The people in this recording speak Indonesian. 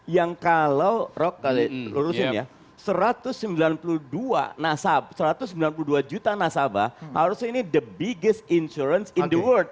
yang kalau roky lulusin ya satu ratus sembilan puluh dua juta nasabah harusnya ini the biggest insurance in the world